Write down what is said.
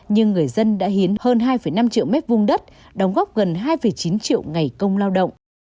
nhưng người dân đã hiến hơn hai năm triệu mét vung đất đóng góp gần hai chín triệu ngày công lao động